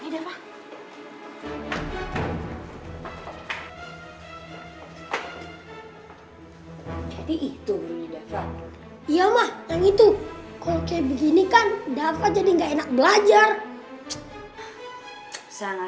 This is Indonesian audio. jadi itu iya mah yang itu kayak begini kan dapat jadi enggak enak belajar saya